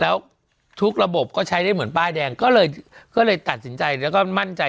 แล้วทุกระบบก็ใช้ได้เหมือนป้ายแดงก็เลยก็เลยตัดสินใจแล้วก็มั่นใจ